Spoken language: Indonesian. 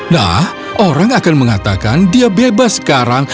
nah orang akan mengatakan dia bebas sekarang